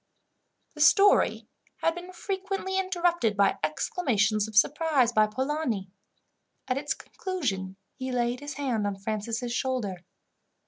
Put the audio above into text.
The story had been frequently interrupted by exclamations of surprise by Polani. At its conclusion, he laid his hand on Francis' shoulder.